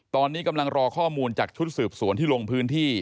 ตอนนี้กำลังรอข้อมูลจากชุดสืบสวนที่ลงพื้นที่